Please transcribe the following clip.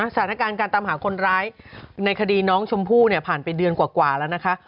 สถานการณ์การตามหาคนร้ายในคดีน้องชมพู่เนี่ยผ่านไปเดือนกว่าแล้วนะคะ